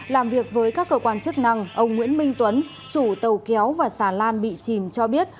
làm việc với các cơ quan chức năng ông nguyễn minh tuấn chủ tàu kéo và xà lan bị chìm cho biết